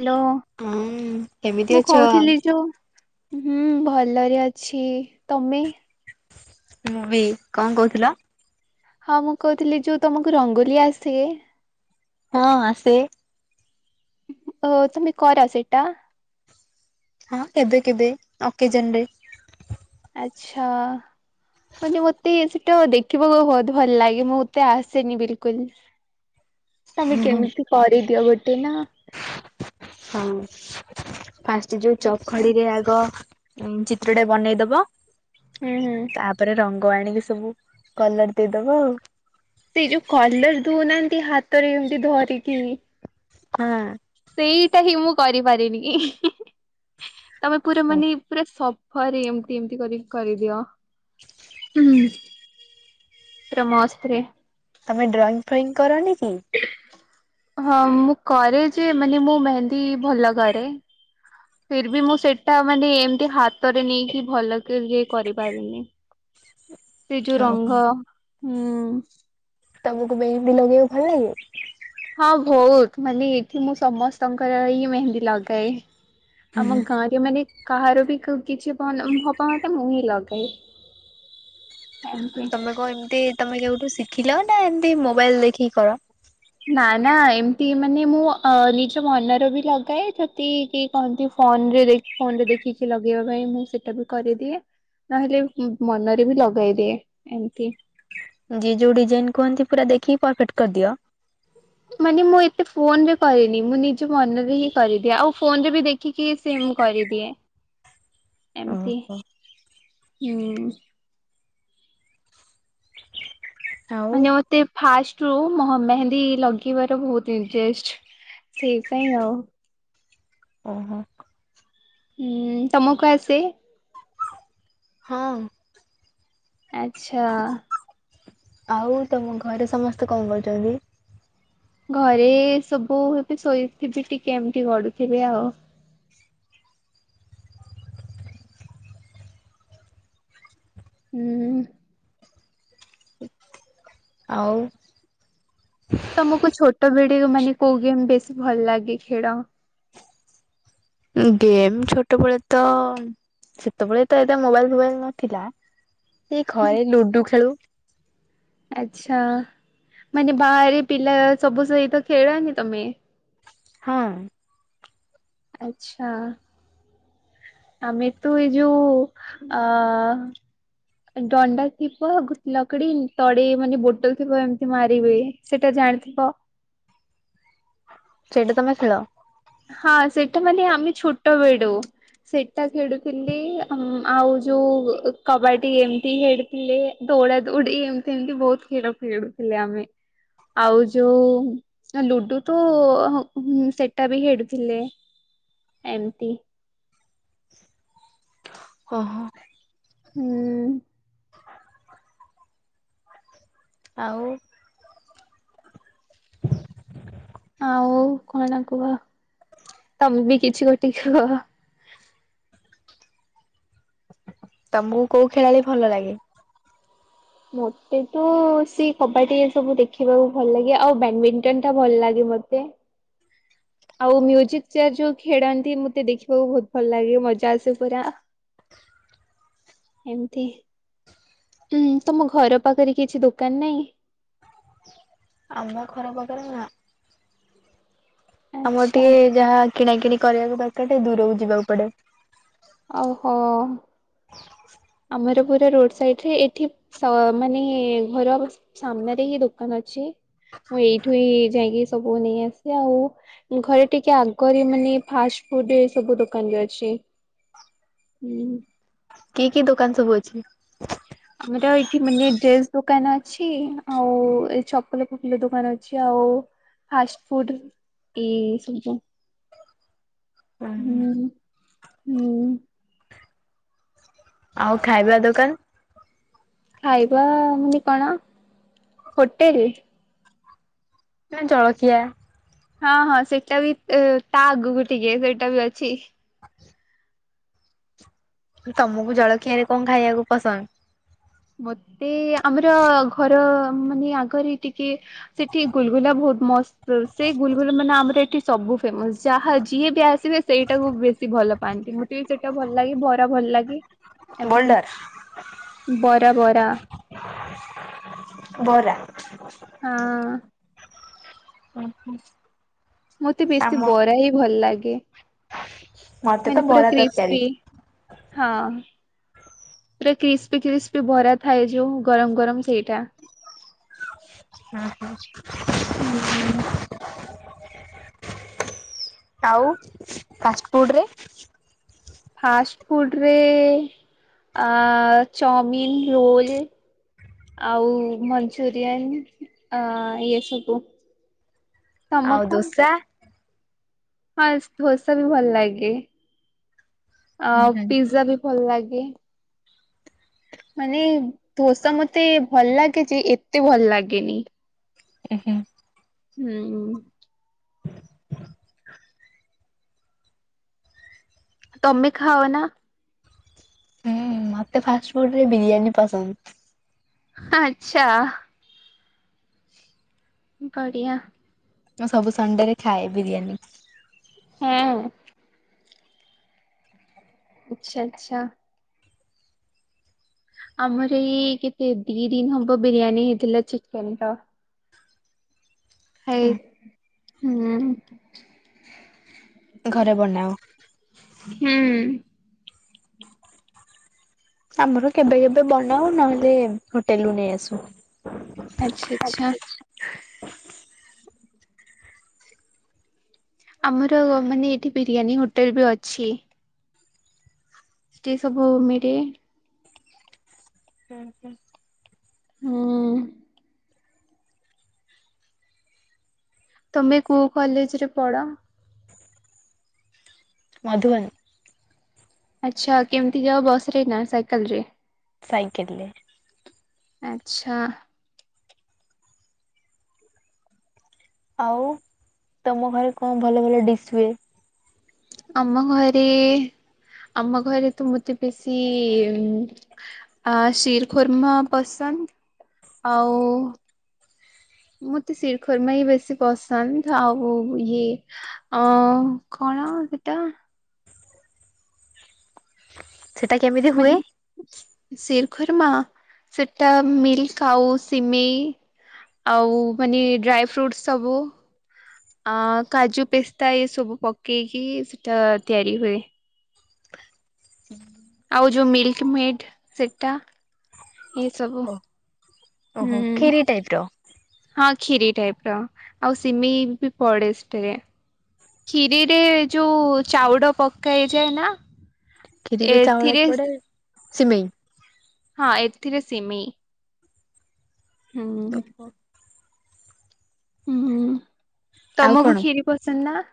Hello ହୁଁ କେମିତି ମୁଁ ଅଛ? କହୁଥିଲି ଯୋଉ ହୁଁ ଭଲରେ ଅଛି। ତମେ? ମୁଁ ବି। କଣ କହୁଥିଲ? ହଁ ମୁଁ କହୁଥିଲି ଯୋଉ ତମକୁ ରଙ୍ଗୋଲି ଆସେ? ହଁ ଆସେ। ଓ ତମେ କର ସେଇଟା? ହଁ କେବେ କେବେ ଅକେଜନରେ ଆଚ୍ଛା ମାନେ ମତେ ସେଟା ଦେଖ ବାକୁ ବହୁତ ଭଲ ଲାଗେ ମୁଁତେ ଆସେନି ବିଲକୁଲ ତମେ ହୁଁ କେମିତି କରିଦିଅ ଗୋଟେ ନା! ହଁ ଫାଷ୍ଟ ଯୋଉ ଚକ ଆଛା ଖଡିରେ ଆଗ ଉଁ ଚିତ୍ରଟା ବନେଇଦବ ହୁଁ ହୁଁ। ତାପରେ ରଙ୍ଗ ଆଣିକି ସବୁ କଲର ଦେଇଦବ ଆଉ। ସେଇ ଯୋଉ କଲର ଦଉନାହାନ୍ତି ହାତରେ ଏମିତି ଧରିକି ହଁ ସେଇଟା ହିଁ ମୁଁ କରିପାରିନି, ତମେ ପୁରା ହଁ ମାନେ ପୁରା ସବ୍ ଫରେ ଏମିତି ଏମିତି କରି କରିଦିଅ। ପୁରା ମସ୍ତ୍ ରେ ତମେ ଡ୍ରଇଂ ଫ୍ରଇଂ କରନି କି? ହଁ ମୁଁ କରେ ଯେ ମାନେ ମୁଁ ମେହେନ୍ଦୀ ଭଲ କରେ। ଫିର୍ ବି ମୁଁ ସେଇଟା ମାନେ ଏମତି ହାତରେ ନେଇକି ଭଲକିରି ଇଏ କରିପାରେନି। ସେ ଯୋଉ ଓହୋ। ରଙ୍ଗ ହୁଁ ତମକୁ ମେହେନ୍ଦି ଲଗେଇବାକୁ ଭଲ ଲାଗେ? ହଁ ଭଉତ ମାନେ ଏଇଠି ମୁଁ ସମସ୍ତଙ୍କର ଇ ମେହେନ୍ଦୀ ଲଗାଏ। ଆମ ହୁଁ। ଗାଁରେ ମାନେ କାହାର ବି କ- କିଛି ଭଲ ହବ ମାନେ ମୁଁ ହିଁ ଲଗାଏ। ଆଜ୍ଞା। ତୋମେ କଣ ଏମତି ତୋମେ କେଉଠୁ ଶିଖିଲ ନା ଏମତି ମୋବାଇଲ୍ ଦେଖିକି କର? ନା ନା ଏମତି ମାନେ ମୁଁ ଅ, ନିଜ ମନରୁ ବି ଲଗାଏ, ଯଦି କି କହନ୍ତି ଫୋନ୍ ରେ ଦେ ଫୋନ୍ ରେ ଦେଖିକି ଲଗେଇବା ପାଇଁ ମୁଁ ସେଟା ବି କରିଦିଏ। ନହେଲେ ମନରେ ବି ଲଗେଇଦିଏ ଏମତି। ଯିଏ ଯୋଉ ଡିଜାଇନ୍ କୁହନ୍ତି ପୁରା ଦେଖିକି ପରଫେକ୍ଟ କରିଦିଅ? ମାନେ ମୁଁ ଏତେ ଫୋନ୍ ରେ କହିନି, ମୁଁ ନିଜ ମନରୁ ହିଁ କରିଦିଏ। ଆଉ ଫୋନ୍ ରେ ବି ଦେ ଦେଖିକି ସେମ୍ ମୁଁ କରିଦିଏ, ଏମତି ଓହୋ। ହୁଁ,। ଆଉ ମାନେ ମୋତେ ଫାଷ୍ଟ ରୁ ମହ ମେହେନ୍ଦୀ ଲଗେଇବାର ବହୁତ ଇଣ୍ଟ୍ରେଷ୍ଟ। ସେଇପାଇଁ ଆଉ। ଓହୋ। ହୁଁ, ତୋମକୁ ଆସେ? ହଁ। ଆଚ୍ଛା। ଆଉ ତୋମ ଘରେ ସମସ୍ତେ କଣ କରୁଛନ୍ତି? ଘରେ ସବୁ ଏବେ ଶୋଇଥି [unintelligible] ଟିକେ ଏମିତି ଗଡୁଥିବେ ଆଉ। ହୁଁ। ଆଉ ତୋମକୁ ଛୋଟ ବେଡେ ମାନେ କୋଉ ଗେମ୍ ବେଶୀ ଭଲ ଲାଗେ ଖେଳ? ଗେମ୍ ଛୋଟବେଳେ ତ ସେତେବେଳେ ତ ଏତେ ମୋବାଇଲ୍ ଫୋବାଇଲ୍ ନଥିଲା ଏଇ ଘରେ ଲୁଡୁ ଖେଳୁ। ଆଚ୍ଛା ମାନେ ବାହାରେ ପିଲା ସବୁ ସହିତ ଖେଳନି ତୋମେ? ହଁ। ଆଚ୍ଛା। ଆମେ ତୁ ଏଇ ଯୋଉ ଅ, ଏ ଡଣ୍ଡା ଥିବ ଘୁ- ଲକଡି ତଡେଇ ମାନେ ବୋଟଲ୍ ଥିବ ଏମତି ମାରିବେ। ସେଟା ଜାଣିଥିବ? ସେଇଟା ତୋମେ ଖେଳ? ହଁ ସେଇଟା ମାନେ ଆମେ ଛୋଟ ବେଡୁ। ସେଇଟା ଖେଳୁଥିଲି ଆଁ, ଆଉ ଯୋଉ କବାଡି ଏମତି ଖେଡୁ ଥିଲେ, ଦୌଡା ଦୌଡି ଏମତି ଏମତି ବହୁତ ଖେଡ ଖେଳୁ ଥିଲେ ଆମେ। ଆଉ ଯୋଉ ହଁ ଲୁଡୁ ତ ଆ, ହଁ ହୁଁ, ସେ ଟା ବି ହେଡୁଥିଲେ ଏମତି। ହଁ, ହଁ। ହୁଁ। ଆଉ ଆଉ କଣ କୁହ? ତୋମେ ବି କିଛି ଗୋଟେ କୁହ? ତୋମକୁ କୋଉ ଖେଳାଳି ଭଲ ଲାଗେ? ମୋତେ ତ ସେ କବାଡି଼ ସବୁ ଦେଖିବାକୁ ଭଲ ଲାଗେ, ଆଉ ବ୍ୟାଡମିଣ୍ଟନ ଟା ଭଲ ଲାଗେ ମୋତେ। ଆଉ ମ୍ୟୁଜିକ୍ ଚେୟାର ଯୋଉ ଖେଳନ୍ତି ମୋତେ ଦେଖିବାକୁ ବହୁତ ଭଲ ଲାଗେ, ମଜା ଆସେ ପୁରା। ଏମତି, ହୁଁ, ତୋମ ଘର ପାଖରେ କିଛି ଦୋକାନ ନାହିଁ? ଆମ ଘର ପାଖରେ ନା। ଆମର ଆଚ୍ଛା ଟିକେ ଯାହା କିଣା କିିଣି କରିବାକୁ ଦରକାର ଟିକେ ଦୂରକୁ ଯିବାକୁ ପଡ଼େ। ଆଉ ହଁ। ଆମର ପୁରା ରୋଡ଼ ସାଇଟରେ ଏଠି ସ ମାନେ ଘର। ସାମ୍ନାରେ ହିଁ ଦୋକାନ ଅଛି ମୁଁ ଏଇଠୁ ଏଇ ଯାଇକି ସବୁ ନେଇ ଆସେ ଆଉ। ଘରେ ଟିକେ ଆଗରେ ମାନେ ଫାଷ୍ଟ ଫୁଡ୍ ରେ ସବୁ ଦୋକାନରେ ଅଛି। ହୁଁ। କି କି ଦୋକାନ ସବୁ ଅଛି। ଆମର ଏଇଠି ମାନେ ଡ୍ରେସ୍ ଦୋକାନ ଅଛି ଆଉ ଏ ଚପଲ ଫପଲ ଦୋକାନ ଅଛି ଆଉ। ଫାଷ୍ଟ ଫୁଡ୍ ଏଇ ସବୁ। ହୁଁ ହୁଁ। ଆଉ ଖାଇବା ଦୋକାନ। ଖାଇବା ମାନେ କଣ ହୋଟେଲ। ନା ଜଳକିଆ। ହଁ ହଁ ସେଇଟା ବି ଇ ତା ଆଗକୁ ଟିକେ ସେଇଟା ବି ଅଛି। ତମକୁ ଜଳଖିଆରେ କଣ ଖାଇବାକୁ ପସନ୍ଦ। ମୋତେ ଆମର ଘର ମାନେ ଆଗରେ ଟିକେ ସେଠି ଗୁଲଗୁଲା ବହୁତ ମସ୍ ସେଇ ଗୁଲଗୁଲ ମାନେ ଆମର ଏଠି ସବୁ ଫେମସ ଯାହା ଯିଏ ବି ଆସି ସିଏ ପା ସେଇଟାକୁ ବେଶୀ ଭଲ ପାଆନ୍ତି ମତେ ବି ସେଇଟା ଭଲ ଲାଗେ ବରା ଭଲ ଲାଗେ। ଏମିତି ବୋଲଡ଼ର। ବରା ବରା। ବରା। ହଁ। ଉଁ ହୁଁ। ମତେ ବେଶୀ ବରା ହି ଭଲ ଲାଗେ ମତେ ତ ମାନେ ପୁରା ବରା ତରକାରୀ କ୍ରିସ୍ପି। ହଁ। ପୁରା କ୍ରିସ୍ପି କ୍ରିସ୍ପି ବରା ଥାଏ ଯୋଉ ଗରମ ଗରମ ସେଇଟା। ଉଁ ହୁଁ। ଆଉ ଫାଷ୍ଟଫୁଡ଼ରେ। ଫାଷ୍ଟ ଫୁଡ଼ରେ ଆ ଚମିିନ ରୋଲ। ଆଉ ମଞ୍ଚୁରିୟାନ ଆ ଏସବୁ। ଆଉ ଦୋସା। ଫାଷ୍ଟ ଧୋସା ବି ଭଲ ଲାଗେ ହୁଁ ଆଉ ହୁଁ ପିଜା ବି ଭଲ ଲାଗେ। ମାନେ ଧୋସା ମତେ ଭଲ ଲାଗେ ଯେ ଏତେ ଭଲ ଲାଗେନି। ଉଁ ହୁଁ। ହୁଁ। [inaudible] ତମେ ଖାଅ ନା। ହୁଁ ମତେ ଫାଷ୍ଟଫୁଡ଼ ରେ ବିରିୟାନୀ ପସନ୍ଦ। ଆଚ୍ଛା। ଗଡି଼ଆ। ମୁଁ ସବୁ ସଣ୍ଡେ ରେ ଖାଏ ବିରିୟାନୀ। ହୁଁ। ଆଚ୍ଛା ଆଚ୍ଛା। ଆମର ଏଇ କେତେ ଦି ଦିନ ହବ ବିରିୟାନୀ ହେଇଥିଲା ଚିକେନର। ହାଏ ହୁଁ। ଘରେ ବନାଅ। ହୁଁ। ଆମର କେବେ କେବେ ବନାଉ ନହେଲେ ହୋଟେଲରୁ ନେଇ ଆସୁ। ଆଚଛା ଆଚ୍ଛା। ଆମର ମାନେ ଏଠି ବିରିୟାନୀ ହୋଟେଲ ବି ଅଛି। ସେଠି ସବୁ ମିଳେ। ହଁ ହଁ ହୁଁ। ତମେ କୋଉ କଲେଜ ରେ ପଢ? ମଧୁବନ। ଆଚ୍ଛା କେମିତି ଯାଅ ବସ ରେ ନା ସାଇକେଲ ରେ? ସାଇକେଲରେ। ଆଚ୍ଛା। ଆଉ ତମ ଘରେ କଣ ଭଲ ଭଲ ଡିସ୍ ହୁଏ? ଆମ ଘରେ ଆମ ଘରେ ତ ମତେ ବେଶୀ। ଆ ଶିର ଖୁର୍ମା ପସନ୍ଦ ଆଉ। ମତେ ଶିରୀଖୁର୍ମା ହି ବେଶୀ ପସନ୍ଦ ଆଉ ଇଏ ଅ କଣ ସେଟା ସେଟା କେମିତି ମାନେ ହୁଏ? ଶିରଖୁର୍ମା ସେଟା ମିଲ୍କ ଆାଉ ସିମେଇ ଆଉ ମାନେ ଡ୍ରାଇ ଫ୍ରୁଟ୍ସ ସବୁ। ଆ କାଜୁ, ପିସ୍ତା ଏସବୁ ପକେଇକି ସେଇଟା ତିଆରି ହୁଏ। ଆଉ ଯୋଉ ମିଲ୍କ ମେଡ଼ ସେଟା ଏସବୁ। ଓହୋ ଖିରି ଟାଇପ ର। ହଁ ଖିରି ଟାଇପ ର ଆଉ ସିମେଇ ବି ପଡେ ସେଥିରେ ଖିରିରେ ଯୋଉ ଚାଉଳ ପକାଇଯାଏ ନା। କ୍ଷୀରିରେ ଚାଉଳ ଏଥିରେ ପଡେ ସିମେଇ। ହଁ ଏଥିରେ ସିମେଇ। ହୁଁ। ହୁଁ ହୁଁ ଆଉ ତମକୁ କଣ କ୍ଷିରି ପସନ୍ଦ ନା?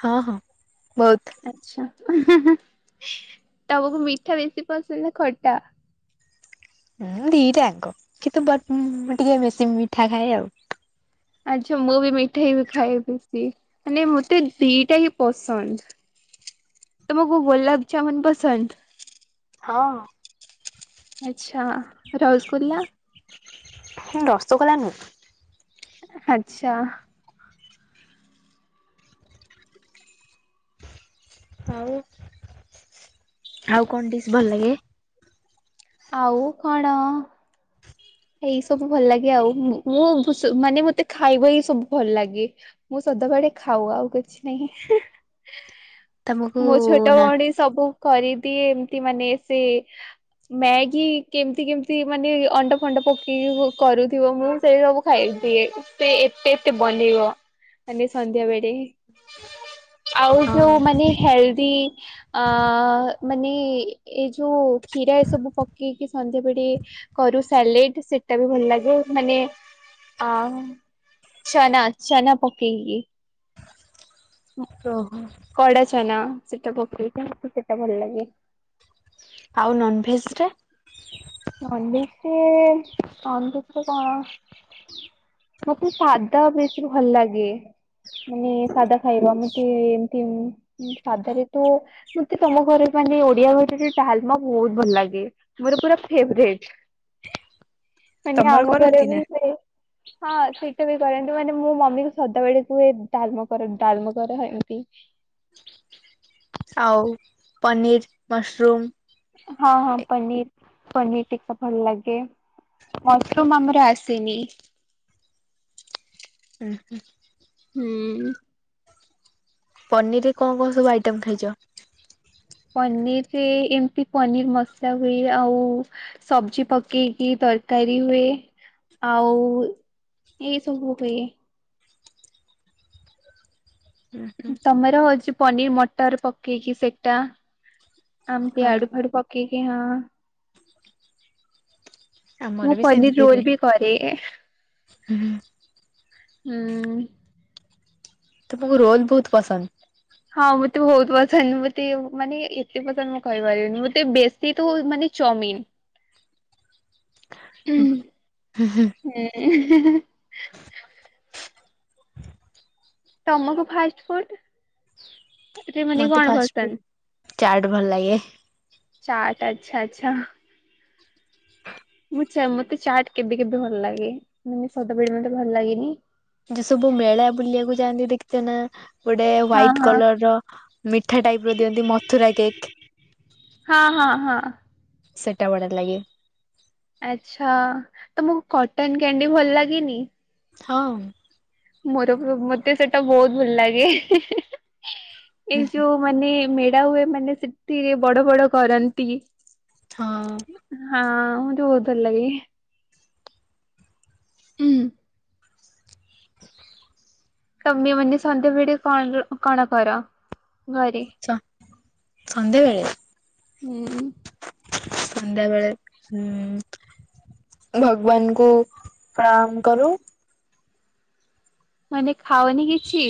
ହଁ ହଁ ବହୁତ। ଆଛା ହୁଁ ହୁଁ ହୁଁ ତମକୁ ମିଠା ବେଶୀ ପସନ୍ଦ ନା ଖଟା? ହୁଁ ଦିଟା ଜାଙ୍କ କିନ୍ତୁ ବ ମୁ ଟିକେ ବେଶୀ ମିଠା ଖାଏ ଆଉ। ଆଚ୍ଛା ମୁଁ ବି ମିଠା ହି ବ ଖାଏ ବେସିି। ମାନେ ମତେ ଦିଟା ହିଁ ପସନ୍ଦ। ତମକୁ ଗୋଲାପଜାମୁନ ପସନ୍ଦ? ହଁ। ଆଚଛା ରସଗୁଲ୍ଲା? ରସଗୋଲା ନୁହଁ। ଆଚ୍ଛା। ଆଉ ଆଉ କଣ ଡିସ୍ ଭଲ ଲାଗେ? ଆଉ କଣ। ଏଇ ସବୁ ଭଲ ଲାଗେ ଆଉ ମୁଁ ମୁ ଭୁସ ମାନେ ମତେ ଖାଇବା ହିଁ ସବୁ ଭଲ ଲାଗେ। ମୁଁ ସଦାବେଳେ ଖାଉ ଆଉ କିଛି ନାହିଁ। [inaudible] ମୋ ଛୋଟ ନା? ଭଉଣୀ ସବୁ କରିଦିଏ ଏମତି ମାନେ ସେ ମ୍ୟାଗି କେମିତି କେମତି ମାନେ ଅଣ୍ଡା ଫଣ୍ଡା ପକେଇକି କ କରୁଥିବ ମୁଁ ସେଇ ସବୁ ଖାଇ ଦିଏ ସେ ଏତେ ଏତେ ବନେଇବ। କାଲି ସନ୍ଧ୍ୟାବେେଳେ। [inaudible] ଆଉ ଯୋଉ ହଁ ମାନେ ହେଲଦି ଅ ମାନେ ଏଇ ଯୋଉ କ୍ଷୀରା ଏଇ ସବୁ ପକେଇକି ସନ୍ଧ୍ୟାବେଳେ କରୁ ସାଲେଡ ସେଟା ବି ଭଲ ଲାଗେ ମାନେ ଆଉ ଛେନା ଛେନାପକେଇିକି। ଓହୋ। କଡା ଛେନା ସେଟା ପକେଇଛି [unintelligible] ସେଟା ଭଲ ଲାଗେ। ଆଉ ନନଭେଜଟା! ନନଭେଜରେ ନନଭେଜ୍ ରେ କଣ? ମତେ ସାଦା ବେଶୀ ଭଲ ଲାଗେ। ମାନେ ସାଧା ଖାଇବା ଏମିତି ଏମିତି ସାଧାରେ ତ ମତେ ତମ ଘରେ ମାନେ ଓଡିଆ ଘରର ଡାଲମା ବହୁତ ଭଲ ଲାଗେ ମୋର ପୁରା ଫେବରେଟ ମାନେ ତମର ଆମ ଘର କରନ୍ତି ନା? ବି ସେ [unintelligible] ହଁ ସେଇଟା ବି କରନ୍ତୁ କିନ୍ତୁ ମାନେ ମୁଁ ମମି କୁ ସଦାବେଳେ କୁହେ ଡାଲମା କର ଡାଲମା କର ଏମତି। ଆଉ ପନିର, ମସରୁମ ହଁ ହଁ ପନିର ପନିର ଟିକା ଭଲ ଲାଗେ। ମସରୁମ ଆମର ଆସିନି। ଉଁ ହୁଁ। ହୁଁ। ପନିର ରେ କଣ କଣ ସବୁ ଆଇଟମ ଖାଇଛ? ପନିରରେ ଏମତି ପନିର ମସଲା ହୁଏ ଆଉ ସବଜି ପକେଇକି ତରକାରୀ ହୁଏ ଆଉ ଇଏ ସବୁ ହୁଏ। ହୁଁ ହୁଁ ତମର ହଉଛି ପନିର ମଟର ପକେଇକି ସେଇଟା। ଏମତି ହଁ ଆଡୁ ଫାଡୁ ପକେଇକି ହଁ। ଆମର ମୁଁ ବି ପନିର ରୋଲ ବି କରେ। ହୁଁ। ହୁଁ। ତମକୁ ରୋଲ ବହୁତ ପସନ୍ଦ? ହଁ ମତେ ବହୁତ ପସନ୍ଦ ମତେ ମାନେ ଏତେ ପସନ୍ଦ ମୁଁ କହିପାରିବିନି ମତେ ବେଶ୍ କିନ୍ତୁ ମାନେ ଚୌମିନ। ହୁଁ ହୁଁ। [unintelligible] ତମକୁ ଫାଷ୍ଟ ଫୁଡ଼୍? ମତେ ଫାଷ୍ଟ ଫୁଡ ଚାଟ ଭଲ ଲାଗେ। ଚାଟ୍ ଆଚ୍ଛା ଆଚ୍ଛା। ମୁଁ ଚା ମତେ ଚାଟ କେବେ କେବେ ଭଲ ଲାଗେ ମାନେ ସଦାବେଳେ ମତେ ଭଲ ଲାଗେନି। ଯେ ସବୁ ମେଳା ବୁଲିବାକୁ ଯାଆନ୍ତି ଦେଖିତ ନା! ଗୋଟେ ହଁ ହୁଆଇଟ୍ ହଁ କଲର ର ମିଠା ଟାଇପ ର ଦିଅନ୍ତି ମଥୁରା କେକ୍। ହଁ ହଁ ହଁ। ସେଟା ବଢିଆ ଲାଗେ। ଆଛା ତମକୁ କଟନ କ୍ୟାଣ୍ଡି ଭଲ ଲାଗେନି? ହଁ। ମୋର ପ ମତେ ସେଟା ବହୁତ ଭଲ ଲାଗେ ଏଇ ଯୋଉ ମାନେ ମେଡ଼ା ହୁଏ ମାନେ ସେଟି ବଡ ବଡ କରନ୍ତି। ହଁ ମତେ ବହୁତୁ ଭଲାଗେ। ଉଁ। [inaudible] ତମେ ମାନେ ସନ୍ଧ୍ୟାବେଳେ କଣର କଣ କର ଘରେ। ଛ ସନ୍ଧ୍ୟାବେଳେ ହୁଁ। ସନ୍ଧ୍ୟାବେଳେ ହୁଁ। ଭଗବାନଙ୍କୁ ପ୍ରଣାମ କରୁ। ମାନେ ଖାାଅନି କିଛି।